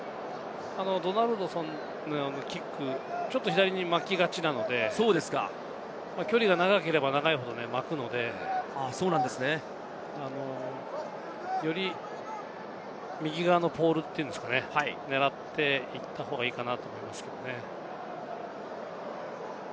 ドナルドソンのようなキック、ちょっと左に巻きがちなので、距離が長ければ長いほど巻くので、より右側のボールというんですかね、狙っていった方がいいかなと思いますね。